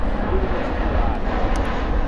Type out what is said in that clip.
Bollo de cicolata.